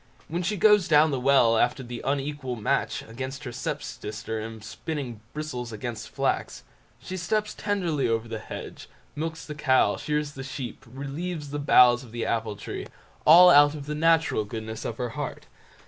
When she goes down the well after the unequal match against her step sister in spinning bristles against flax; she steps tenderly over the hedge, milks the cow, shears the sheep, relieves the boughs of the apple tree—all out of the natural goodness of her heart.